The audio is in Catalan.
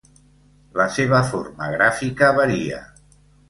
La seva forma gràfica varia.